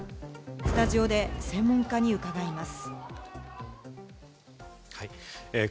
スタジオで専門家に伺います。